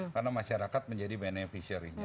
karena masyarakat menjadi beneficiary